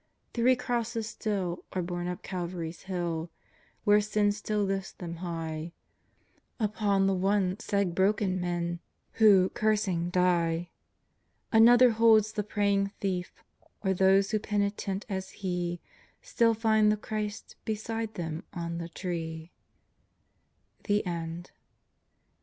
Three crosses still Are borne up Calvary's hill, Where Sin still lifts them high: Upon the one, sag broken men Who, cursing, die; Another holds the praying thief, Or those who penitent as he, Still find the Christ Beside them on the tree.